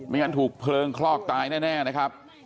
งั้นถูกเพลิงคลอกตายแน่นะครับ